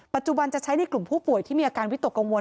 ปัจจุบันจะใช้ในกลุ่มผู้ป่วยที่มีอาการวิตกกังวล